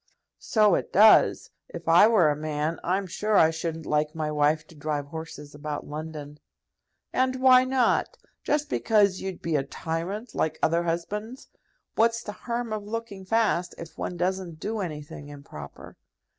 "So it does. If I were a man, I'm sure I shouldn't like my wife to drive horses about London." "And why not? Just because you'd be a tyrant, like other husbands? What's the harm of looking fast, if one doesn't do anything improper?